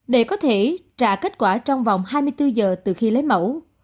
để có thể trả kết quả trong vòng hai mươi bốn giờ từ khi lấy mẫu